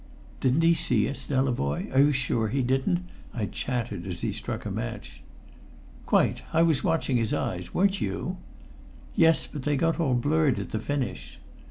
"Didn't he see us, Delavoye? Are you sure he didn't?" I chattered as he struck a match. "Quite. I was watching his eyes weren't you?" "Yes but they got all blurred at the finish."